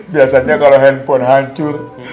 biasanya kalau handphone hancur